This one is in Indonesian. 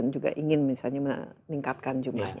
juga ingin misalnya meningkatkan jumlahnya